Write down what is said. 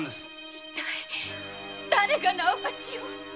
一体だれが直八を。